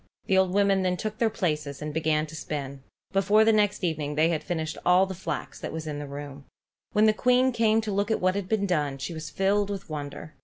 The old women then took their places and began to spin. Before the next evening they had finished all the flax that was in the room. When the Queen came to look at what had been done, she was filled with wonder.